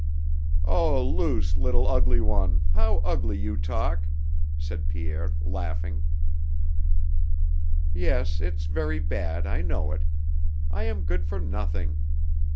"Oh, Luce, little ugly one, how ugly you talk," said Pierre laughing. "Yes, it's very bad, I know it. I am good for nothing.